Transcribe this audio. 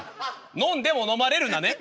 「飲んでも飲まれるな」ね。